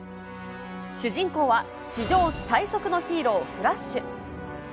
主人公は、地上最速のヒーロー、フラッシュ。